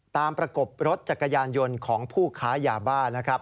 ประกบรถจักรยานยนต์ของผู้ค้ายาบ้านะครับ